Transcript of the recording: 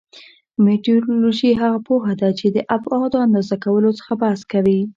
مټرولوژي هغه پوهه ده چې د ابعادو اندازه کولو څخه بحث کوي.